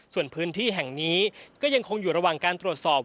ส่วนพื้นที่แห่งนี้ก็ยังคงอยู่ระหว่างการตรวจสอบ